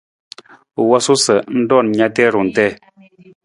U wosu sa ng roon na tarung tii.